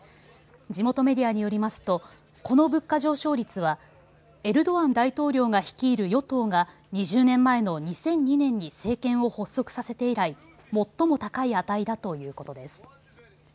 地元メディアによりますとこの物価上昇率はエルドアン大統領が率いる与党が２０年前の２００２年に政権を発足させて以来、最も高い値だということです。